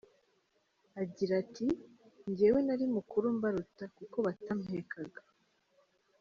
Agira ati “Njyewe nari mukuru mbaruta kuko batampekaga.